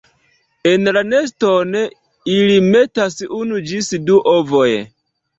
En la neston ili metas unu ĝis du ovojn.